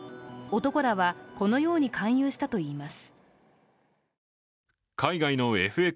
男らは、このように勧誘したといいます。